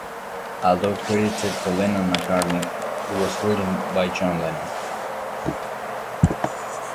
Although credited to Lennon-McCartney, it was written by John Lennon.